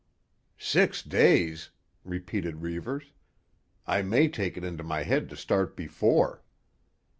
"Six days?" repeated Reivers. "I may take it into my head to start before."